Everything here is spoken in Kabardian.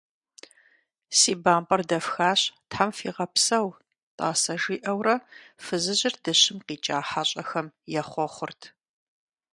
Си бампӀэр дэфхащ, Тхьэм фигъэпсэу, тӀасэ, – жиӀэурэ фызыжьыр дыщым къикӀа хьэщӀэхэм ехъуэхъурт.